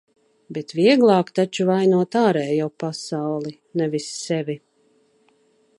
Bet vieglāk taču vainot ārējo pasauli, nevis sevi.